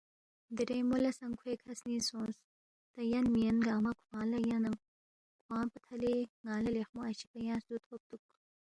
دیرے مو لہ سہ کھوے کھہ سنِنگ سونگس، تا یَن مِہ یَن گنگمہ کھوانگ لہ یَننگ کھوانگ پا تھلے ن٘انگ لہ لیخمو اشی پا سُو تھوبتُوک